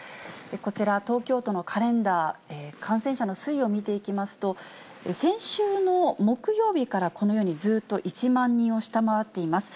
こちら、東京都のカレンダー、感染者の推移を見ていきますと、先週の木曜日から、このようにずっと１万人を下回っています。